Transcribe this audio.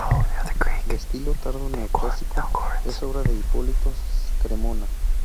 De estilo tardo neoclásico, es obra de Ippolito Cremona.